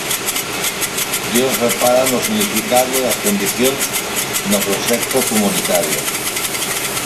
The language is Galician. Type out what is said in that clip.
Dios repara no significado das condicións no proxecto comunitario.